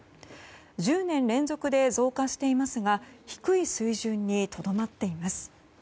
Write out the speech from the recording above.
１０年連続で増加していますが低い水準にとどまっています。